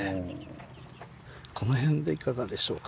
この辺でいかがでしょうか。